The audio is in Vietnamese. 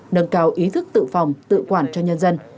nâng cao ý thức tự phòng tự quản cho nhân dân